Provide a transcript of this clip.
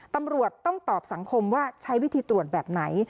ตำรวจต้องตอบสังคมว่าใช้วิธีตรวจแบบไหน